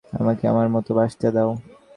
আমাকে আমার মতো বাঁচতে দাও।